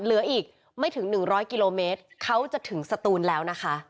เหลืออีกไม่ถึง๑๐๐กิโลเมตรเขาจะถึงสตูนแล้วนะคะ